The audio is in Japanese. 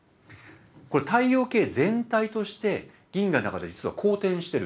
これ太陽系全体として銀河の中で実は公転してるんです。